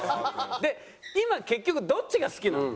で今結局どっちが好きなの？